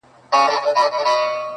تاريخ بيا بيا هماغه وايي تل,